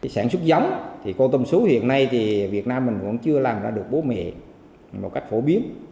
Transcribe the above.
sản xuất giống thì cô tôm sú hiện nay thì việt nam mình vẫn chưa làm ra được bố mẹ một cách phổ biến